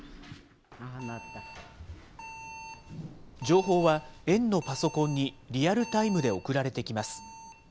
情報は園のパソコンにリアルタイムで送られてきます。